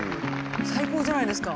最高じゃないですか。